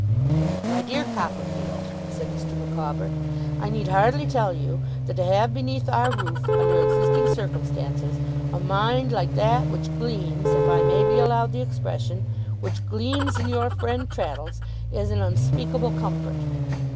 'My dear Copperfield,' said Mr. Micawber, 'I need hardly tell you that to have beneath our roof, under existing circumstances, a mind like that which gleams if I may be allowed the expression which gleams in your friend Traddles, is an unspeakable comfort.